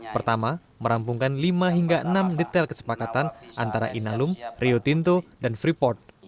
pertama merampungkan lima hingga enam detail kesepakatan antara inalum rio tinto dan freeport